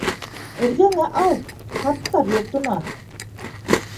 Эргәңә ал, ҡарттар йортона!